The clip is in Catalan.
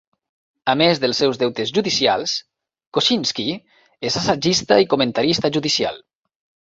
A més dels seus deutes judicials, Kozinski és assagista i comentarista judicial.